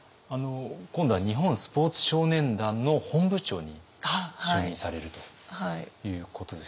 今度は日本スポーツ少年団の本部長に就任されるということですけれども。